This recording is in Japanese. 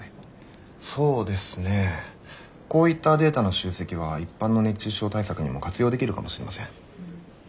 そうですねこういったデータの集積は一般の熱中症対策にも活用できるかもしれません。